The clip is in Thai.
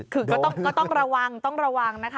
คือก็ต้องระวังต้องระวังนะคะ